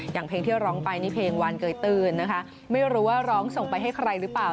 อย่างเพลงที่ร้องไปนี่เพลงวันเกยตื้นนะคะไม่รู้ว่าร้องส่งไปให้ใครหรือเปล่า